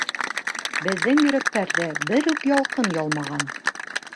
Беҙҙең йөрәктәрҙе бер үк ялҡын ялмаған.